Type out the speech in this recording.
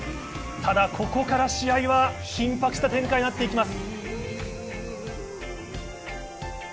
ただここから試合は緊迫した展開になっていきます。